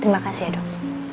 terima kasih ya dok